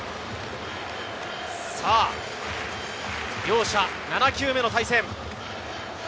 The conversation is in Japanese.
両者７球目の対戦。